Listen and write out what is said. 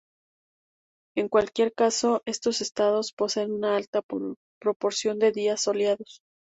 En cualquier caso, estos estados, poseen una alta proporción de días soleados.